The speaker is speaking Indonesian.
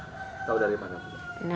tau dari mana